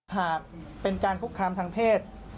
หากเป็นการคุกคามทางเพศ